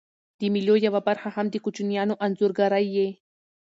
د مېلو یوه برخه هم د کوچنيانو انځورګرۍ يي.